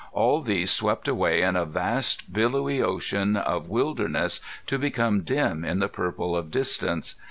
All these swept away in a vast billowy ocean of wilderness to become dim in the purple of distance.